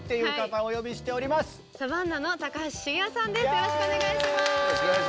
よろしくお願いします。